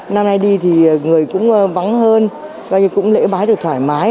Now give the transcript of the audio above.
năm nay đi thì người cũng vắng hơn coi như cũng lễ bái được thoải mái